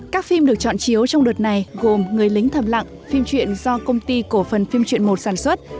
các phim được chọn chiếu trong đợt này gồm người lính thầm lặng phim truyện do công ty cổ phần phim truyện một sản xuất